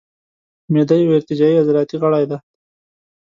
معده یو ارتجاعي عضلاتي غړی دی.